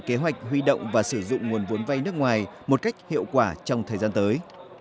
kế hoạch huy động và sử dụng nguồn vốn vay nước ngoài một cách hiệu quả trong thời gian tới